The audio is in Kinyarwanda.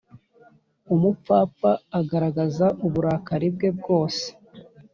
umupfapfa agaragaza uburakari bwe bwose,